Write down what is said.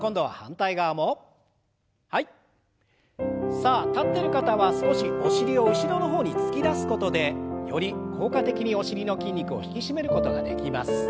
さあ立ってる方は少しお尻を後ろの方に突き出すことでより効果的にお尻の筋肉を引き締めることができます。